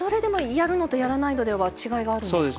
やるのとやらないのとでは違いがあるんですか。